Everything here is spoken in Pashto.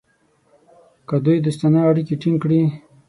که دوی دوستانه اړیکې ټینګ کړي.